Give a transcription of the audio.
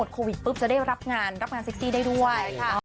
ก็จะดีจะรวย